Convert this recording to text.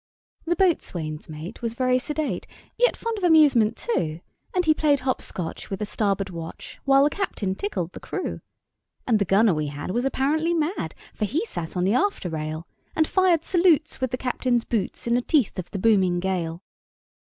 The boatswain's mate was very sedate, Yet fond of amusement, too; And he played hop scotch with the starboard watch, While the captain tickled the crew. And the gunner we had was apparently mad, For he sat on the after rail, And fired salutes with the captain's boots, In the teeth of the booming gale.